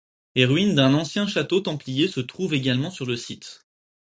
Les ruines d’un ancien château templier se trouvent également sur le site.